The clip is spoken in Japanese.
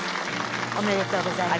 おめでとうございます。